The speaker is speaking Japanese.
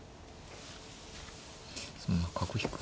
そんな角引く